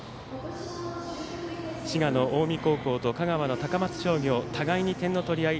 滋賀、近江高校と香川、高松商業互いに点の取り合い。